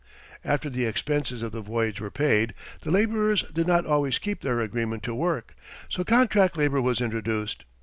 After the expenses of the voyage were paid, the labourers did not always keep their agreement to work, so contract labour was introduced.